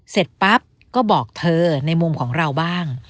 เสร็จปั๊บก็บอกเธอในมุมของเราบ้าง